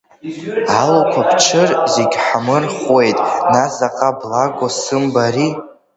Алуқәа ԥҽыр, зегь ҳамырхуеит, нас заҟа благо сымбари!